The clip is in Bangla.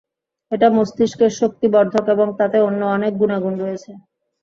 এটা মস্তিষ্কের শক্তি বর্ধক এবং তাতে অন্য অনেক গুণাগুণ রয়েছে।